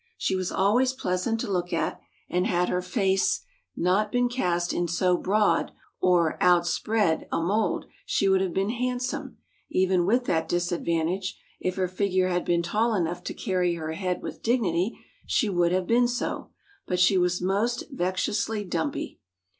She was always pleasant to look at, and had her face not been cast in so broad so 'out spread' a mould, she would have been handsome; even with that disadvantage, if her figure had been tall enough to carry her head with dignity, she would have been so; but she was most vexatiously 'dumpy.